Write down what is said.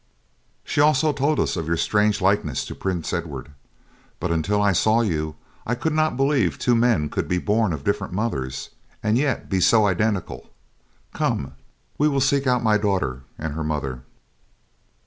"She also told us of your strange likeness to Prince Edward, but until I saw you, I could not believe two men could be born of different mothers and yet be so identical. Come, we will seek out my daughter and her mother."